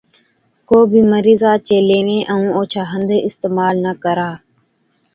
ڪوبِي مرِيضا چين ليوين ائُون اوڇا هنڌ اِستعمال نہ ڪرا ،